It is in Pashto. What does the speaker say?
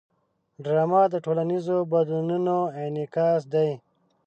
ډرامه د ټولنیزو بدلونونو انعکاس دی